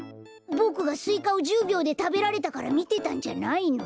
ボクがスイカを１０びょうでたべられたからみてたんじゃないの？